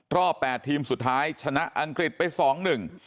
รอบ๘ทีมสุดท้ายชนะอังกฤษไปที่๒๑